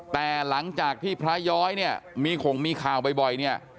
แต่หลังจากที่พระย้อยเนี่ยมีข่งมีข่าวบ่อยเนี่ย